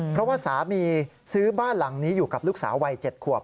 เพราะว่าสามีซื้อบ้านหลังนี้อยู่กับลูกสาววัย๗ขวบ